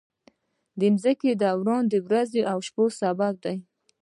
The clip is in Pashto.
د ځمکې دوران د ورځو او شپو سبب دی.